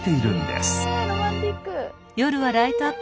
ロマンチック。